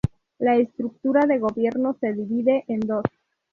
La estructura de gobierno se divide en dos.